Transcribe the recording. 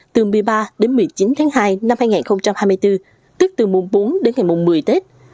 từ một mươi ba một mươi chín tháng hai năm hai nghìn hai mươi bốn tức từ mùa bốn đến ngày mùa một mươi tết